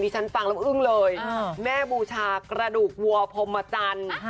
ฉันฟังแล้วอึ้งเลยแม่บูชากระดูกวัวพรมจันทร์